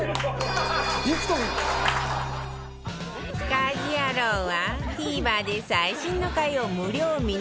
『家事ヤロウ！！！』は ＴＶｅｒ で最新の回を無料見逃し配信